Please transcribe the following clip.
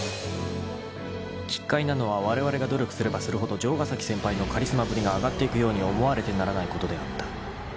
［奇怪なのはわれわれが努力すればするほど城ヶ崎先輩のカリスマぶりが上がっていくように思われてならないことであった］